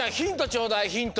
ちょうだいヒント。